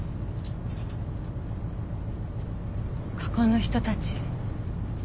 ここの人たち。